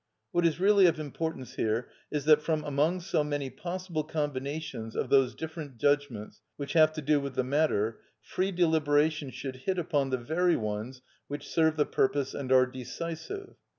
What is really of importance here is that from among so many possible combinations of those different judgments which have to do with the matter free deliberation should hit upon the very ones which serve the purpose and are decisive.